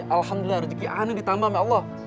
alhamdulillah rejeki aneh ditambah oleh allah